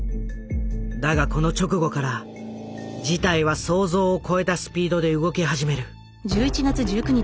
だがこの直後から事態は想像を超えたスピードで動き始める。